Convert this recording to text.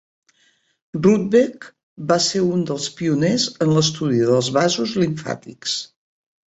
Rudbeck va ser un dels pioners en l'estudi dels vasos limfàtics.